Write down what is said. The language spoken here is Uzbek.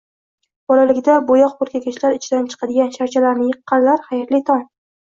Bolaligida bo'yoq purkagichlar ichidan chiqadigan sharchalarni yiqqanlar, xayrli tong!